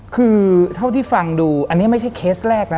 คือเท่าที่ฟังดูอันนี้ไม่ใช่เคสแรกนะ